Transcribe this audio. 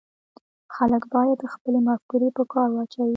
خلک باید خپلې مفکورې په کار واچوي